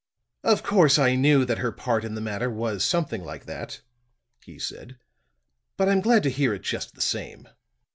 "Of course I knew that her part in the matter was something like that," he said, "but I'm glad to hear it, just the same."